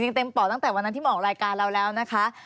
เต็มป่อตั้งแต่วันนั้นที่มาออกรายการเราแล้วนะคะ